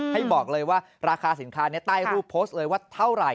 ให้บอกเลยว่าราคาสินค้าใต้รูปโพสต์เลยว่าเท่าไหร่